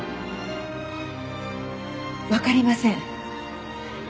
分かりません。